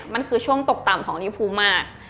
มันคือช่วงตกต่ำของนิวพูมาก